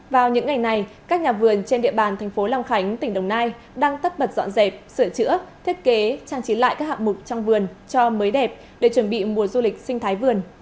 vào những ngày này các nhà vườn trên địa bàn thành phố long khánh tỉnh đồng nai đang tất bật dọn dẹp sửa chữa thiết kế trang trí lại các hạng mục trong vườn cho mới đẹp để chuẩn bị mùa du lịch sinh thái vườn